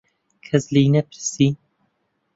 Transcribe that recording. کەس لێی نەپرسی.